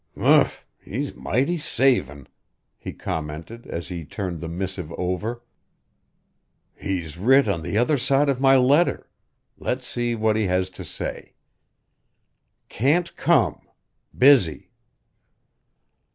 "Humph! He's mighty savin'!" he commented as he turned the missive over. "He's writ on the other side of my letter. Let's see what he has to say: "'Can't come. Busy.'